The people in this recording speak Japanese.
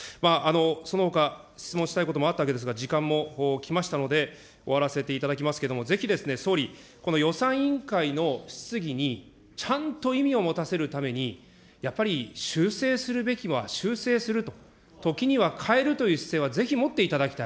そのほか、質問したいこともあったわけですが、時間も来ましたので、終わらせていただきますけれども、ぜひ、総理、この予算委員会の質疑にちゃんと意味を持たせるために、やっぱり修正するべきは修正すると、時には変えるという姿勢はぜひ持っていただきたい。